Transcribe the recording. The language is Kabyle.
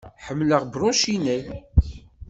Ḥemmleɣ Brauchinet.